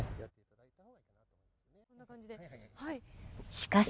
しかし。